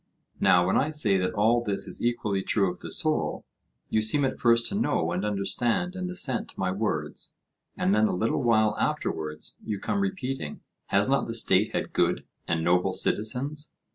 Now, when I say that all this is equally true of the soul, you seem at first to know and understand and assent to my words, and then a little while afterwards you come repeating, Has not the State had good and noble citizens?